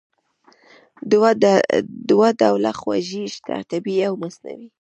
دوه ډوله خوږې شته: طبیعي او مصنوعي.